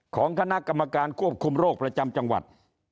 ของคณะกรรมการควบคุมโรคประจำจังหวัด